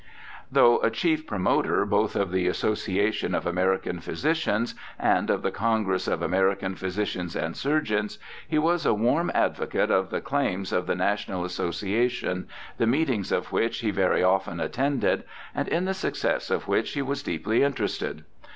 Though a chief promoter both of the Association of American Physicians and of the Congress of American Physicians and Surgeons, he was a warm advocate of the claims of the National Association, the meetings of which he very often attended, and in the success of which he was deeply interested.